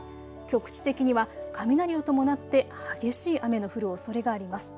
局地的には雷を伴って激しい雨の降るおそれがあります。